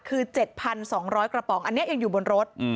คือ๗๒๐๐กระป๋องอันนี้ยังอยู่บนรถ